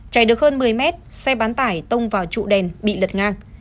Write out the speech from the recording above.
chạy được hơn một mươi mét xe bán tải tông vào trụ đèn bị lật ngang